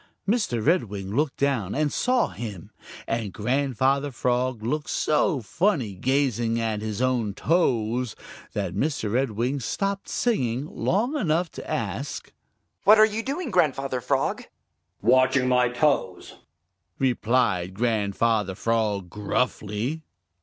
Mr. Redwing looked down and saw him, and Grandfather Frog looked so funny gazing at his own toes that Mr. Redwing stopped singing long enough to ask: "What are you doing, Grandfather Frog?" "Watching my toes," replied Grandfather Frog gruffly.